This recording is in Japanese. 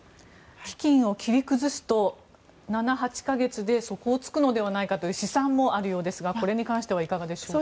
基金を切り崩すと７８か月で底を突くのではないかという試算もあるようですがこれに関してはいかがでしょうか。